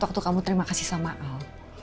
waktu kamu terima kasih sama allah